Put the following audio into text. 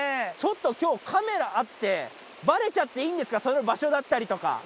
ちょっときょう、カメラあって、ばれちゃっていいんですか、その場所だったりとか。